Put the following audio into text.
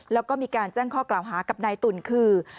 แล้วก็มีการแจ้งข้อกล่าวหากับนายตุ่นคือ